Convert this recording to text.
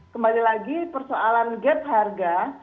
kembali lagi persoalan gap harga